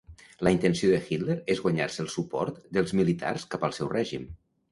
La intenció de Hitler és guanyar-se el suport dels militars cap al seu règim.